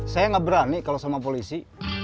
saya nggak berani kalau sama polisi